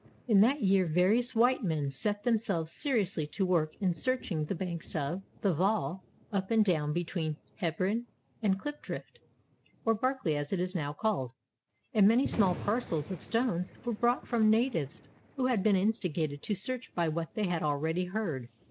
In that year various white men set themselves seriously to work in searching the banks of the Vaal up and down between Hebron and Klipdrift, — or Barkly as it is now called, — and many small parcels of stones were bought from natives who had been instigated to search by what they had already heard.